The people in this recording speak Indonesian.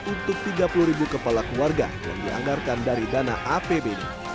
untuk rp tiga puluh kepala keluarga yang dianggarkan dari dana apb